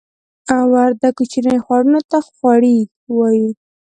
وردګ کوچنیو خوړونو ته خوړۍ وایې